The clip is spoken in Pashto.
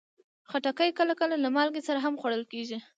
خټکی کله کله له مالګې سره هم خوړل کېږي.